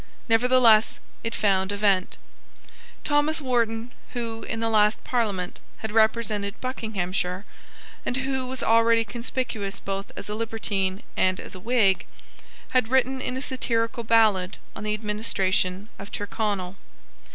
Nevertheless it found a vent. Thomas Wharton, who, in the last Parliament, had represented Buckinghamshire, and who was already conspicuous both as a libertine and as a Whig, had written a satirical ballad on the administration of Tyrconnel.